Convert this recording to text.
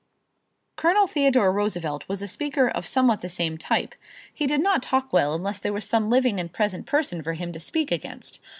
Colonel Theodore Roosevelt was a speaker of somewhat the same type. He did not talk well unless there was some living and present person for him to speak against.